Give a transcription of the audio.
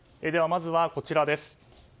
まずはこちらです。